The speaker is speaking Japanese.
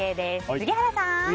杉原さん！